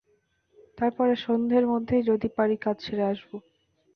তার পরে সন্ধের মধ্যেই যদি পারি কাজ সেরে আসব।